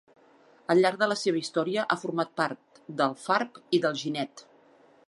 Al llarg de la seva història ha format part d'Alfarb i d'Alginet.